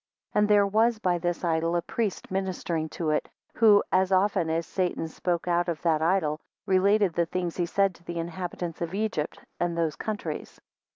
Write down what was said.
7 And there was by this idol a priest ministering to it, who, as often as Satan spoke out of that idol, related the things he said to the inhabitants of Egypt, and those countries.